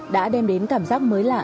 đã đem đến cảm giác mới lạ